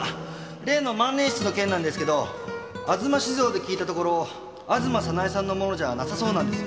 例の万年筆の件なんですけど吾妻酒造で聞いたところ吾妻早苗さんのものじゃなさそうなんですよ。